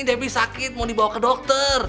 debbie sakit mau dibawa ke dokter